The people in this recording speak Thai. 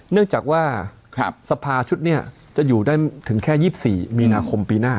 เนื่องจากว่าสภาชุดนี้จะอยู่ได้ถึงแค่๒๔มีนาคมปีหน้า